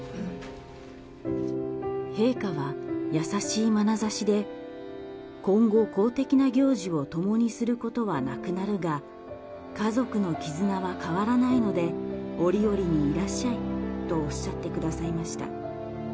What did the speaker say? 陛下は優しいまなざしで、今後、公的な行事を共にすることはなくなるが、家族の絆は変わらないので、折々にいらっしゃいとおっしゃってくださいました。